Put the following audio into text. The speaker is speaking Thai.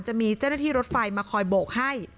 จะมีเจ้าหน้าที่รถไฟมาคอยโบกให้